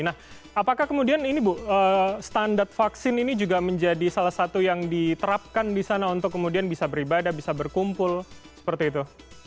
nah apakah kemudian ini bu standar vaksin ini juga menjadi salah satu yang diterapkan di sana untuk kemudian bisa beribadah bisa berkumpul seperti itu